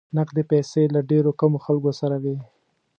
نقدې پیسې له ډېرو کمو خلکو سره وې.